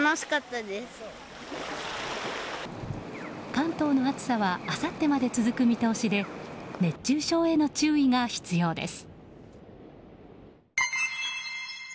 関東の暑さはあさってまで続く見通しで熱中症への注意が必要です。